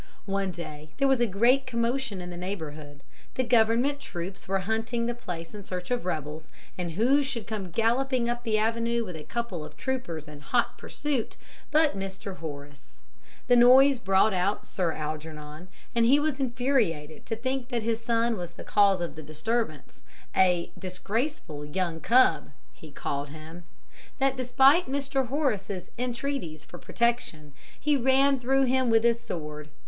One day there was a great commotion in the neighbourhood, the Government troops were hunting the place in search of rebels, and who should come galloping up the avenue with a couple of troopers in hot pursuit but Mr. Horace. The noise brought out Sir Algernon, and he was so infuriated to think that his son was the cause of the disturbance, a "disgraceful young cub," he called him, that despite Mr. Horace's entreaties for protection, he ran him through with his sword.